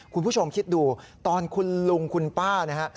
คุณผู้ชมคิดดูตอนคุณลุงคุณป้านะฮะ